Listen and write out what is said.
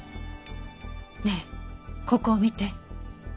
ねえここを見て。